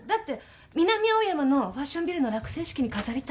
南青山のファッションビルの落成式に飾りたいって。